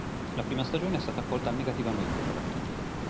La prima stagione è stata accolta negativamente dalla critica.